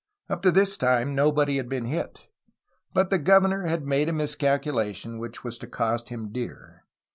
Up to this time nobody had been hit. But the governor had made a miscalculation which was to cost him dear.